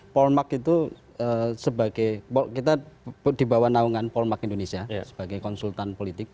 polmark itu sebagai kita di bawah naungan polmark indonesia sebagai konsultan politik